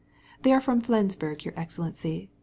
"They're Flensburg, your excellency.